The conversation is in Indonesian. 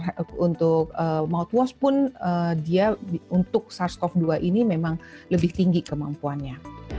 nah untuk maut wash pun dia untuk sars cov dua ini memang lebih tinggi kemampuannya